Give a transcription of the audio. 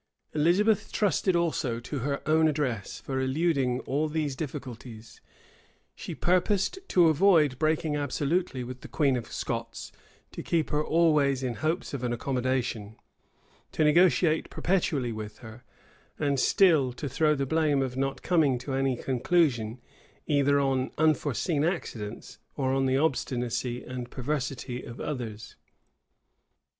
Elizabeth trusted also to her own address, for eluding all these difficulties: she purposed to avoid breaking absolutely with the queen of Scots, to keep her always in hopes of an accommodation, to negotiate perpetually with her, and still to throw the blame of not coming to any conclusion, either on unforeseen accidents, or on the obstinacy and perverseness of others.